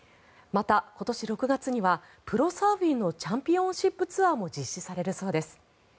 また、今年６月にはプロサーフィンのチャンピオンシップツアーも実施されるそうです。